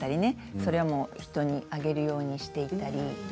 それは人にあげるようにしていったり。